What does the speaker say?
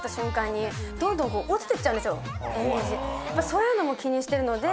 そういうのも気にしてるので。